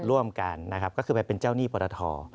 ร่วมกันนะครับก็คือไปเป็นเจ้าหนี้ปรท